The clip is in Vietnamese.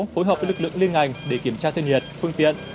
phối hợp với lực lượng liên ngành để kiểm tra thân nhiệt phương tiện